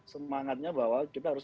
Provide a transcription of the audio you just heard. semangatnya bahwa kita harus